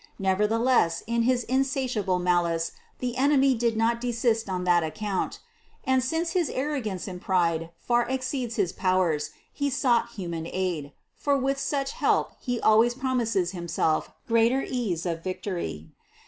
Nevertheless in his in satiable malice the enemy did not desist on that account; and since his arrogance and pride far exceeds his pow ers, he sought human aid ; for with such help he always promises himself greater ease of victory.